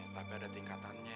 tapi ada tingkatannya